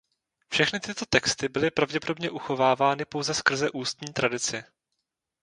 Všechny tyto texty byly pravděpodobně uchovávány pouze skrze ústní tradici.